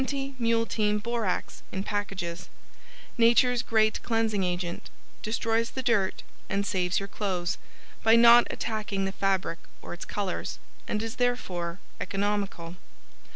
20 Mule Team Borax in Packages Nature's Great Cleansing Agent Destroys the Dirt and SAVES YOUR CLOTHES by not attacking the fabric or its colors, and is therefore economical.